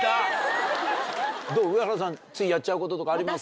上原さんついやっちゃうこととかあります？